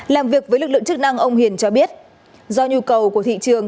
làm việc với lực lượng chức năng ông hiền cho biết do nhu cầu của thị trường